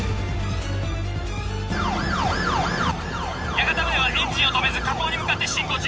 屋形船はエンジンを止めず河口に向かって進行中